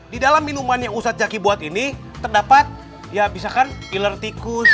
di dalam minuman yang ustadz zaki buat ini terdapat ya bisa kan iler tikus